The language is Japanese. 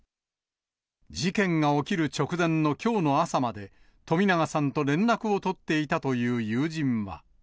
事件が起きる直前のきょうの朝まで、冨永さんと連絡を取っていたという友人は。